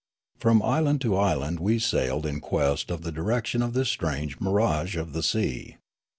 From island to island we sailed in quest of the direction of this strange mirage of the sea.